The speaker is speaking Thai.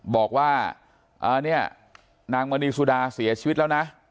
บอกว่าเนี่ยนางมณีสุดาเสียชีวิตแล้วนะ